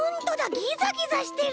ギザギザしてる！